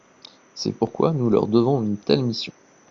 C’est pourquoi nous leur devons une telle mission.